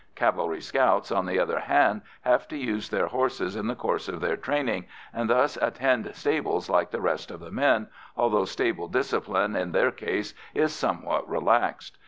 Cavalry scouts, on the other hand, have to use their horses in the course of their training, and thus attend stables like the rest of the men, although stable discipline in their case is somewhat relaxed.